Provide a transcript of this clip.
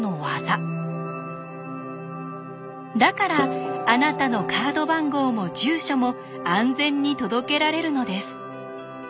だからあなたのカード番号も住所も安全に届けられるのです。